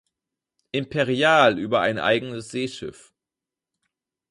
Imperial" über ein eigenes Seeschiff.